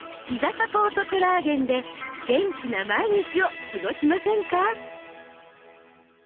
サポートコラーゲンで元気な毎日を過ごしませんか？